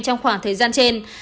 trong khoảng thời gian trên